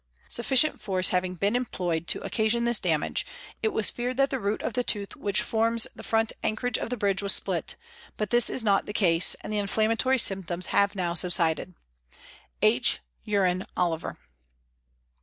" Sufficient force having been employed to occasion this damage, it was feared that the root of the tooth which forms the front anchorage of the bridge was split, but this is not the case, and the inflammatory symptoms have now subsided. "H. UREN OLVER."